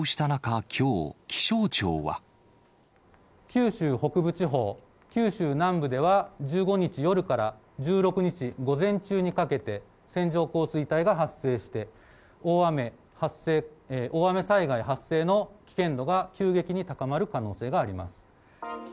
九州北部地方、九州南部では、１５日夜から１６日午前中にかけて、線状降水帯が発生して、大雨災害発生の危険度が急激に高まる可能性があります。